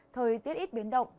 thời tiết ít biến động